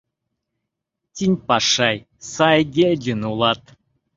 Тинь Пашай Сайгельдин улат?